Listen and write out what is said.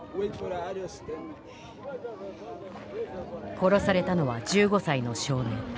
殺されたのは１５歳の少年。